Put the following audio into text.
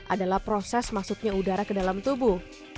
adalah proses masuknya udara ke dalam tubuh